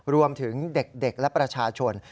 รวมถึงเด็กและประชาชน